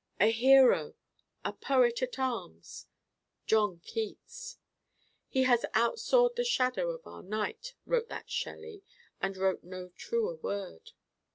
A Hero! a Poet at arms! John Keats! 'He has outsoared the shadow of our night,' wrote that Shelley, and wrote no truer word.